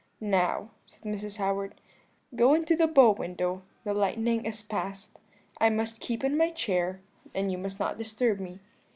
'Now,' said Mrs. Howard, 'go into the bow window. The lightning is past. I must keep in my chair, and you must not disturb me.